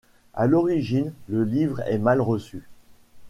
À l'origine, le livre est mal reçu.